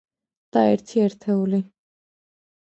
და ერთი ერთეული.